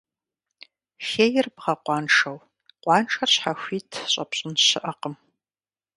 Хейр бгъэкъуаншэу, къуаншэр щхьэхуит щӀэпщӀын щыӀэкъым.